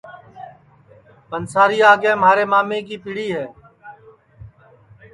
پنسارِیا آگے مھارے مامے کی پِڑی ہے